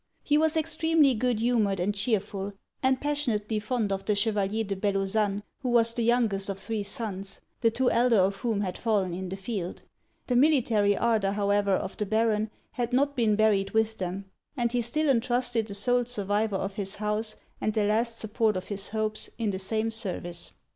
He was extremely good humoured and chearful, and passionately fond of the Chevalier de Bellozane, who was the youngest of three sons, the two elder of whom had fallen in the field. The military ardour however of the Baron had not been buried with them; and he still entrusted the sole survivor of his house, and the last support of his hopes, in the same service.